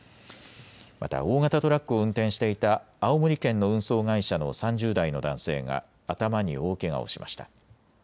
また大型トラックを運転していた青森県の運送会社の３０代の男性が頭に大けがをしました。